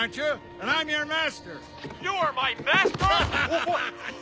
おハハハ！